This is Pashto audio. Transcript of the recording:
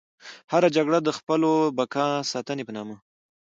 هره جګړه د خپلو بقا ساتنې په نامه.